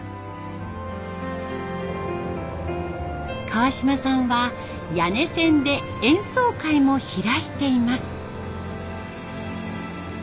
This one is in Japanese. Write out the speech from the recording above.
川嶋さんは谷根千で演奏会も開いています。